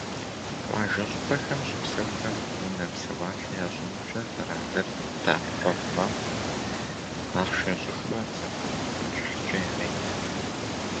Къуажэ щӀыпӀэхэм щыпсэухэм унэ, псэуалъэ ящӀынымкӀэ къэралыр дэӀэпыкъуэгъу мэхъу: ахъшэ щӀыхуэ зэман кӀыхькӀэ ярет.